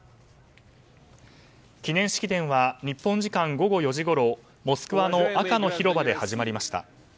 記念式典は日本時間午後４時ごろモスクワの赤の広場で始まりました。